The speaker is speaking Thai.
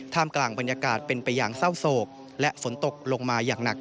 กลางบรรยากาศเป็นไปอย่างเศร้าโศกและฝนตกลงมาอย่างหนัก